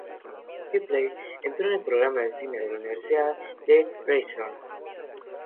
Shipley entró en el programa de cine de la Universidad de Ryerson.